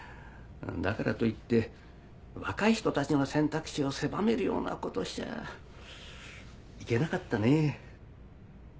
だからといって若い人たちの選択肢を狭めるようなことしちゃいけなかったね。